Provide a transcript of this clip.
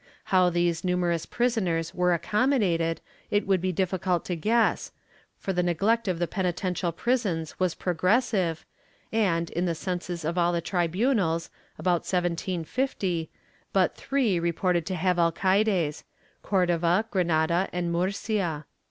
^ How these numerous prisoners were accom modated it would be difficult to guess, for the neglect of the peni tential prisons was progressive and, in the census of all the tri bunals, about 1750, but three reported to have alcaides — Cordova, Granada and Murcia.'